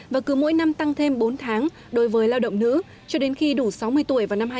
và cứ mỗi năm tăng thêm bốn tháng đối với lao động nữ cho đến khi đủ sáu mươi tuổi vào năm hai nghìn hai mươi